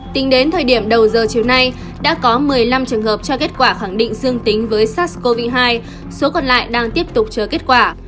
tính đến thời điểm đầu giờ chiều nay đã có một mươi năm trường hợp cho kết quả khẳng định dương tính với sars cov hai số còn lại đang tiếp tục chờ kết quả